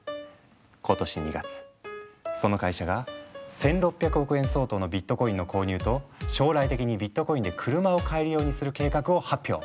今年２月その会社が１，６００億円相当のビットコインの購入と将来的にビットコインで車を買えるようにする計画を発表。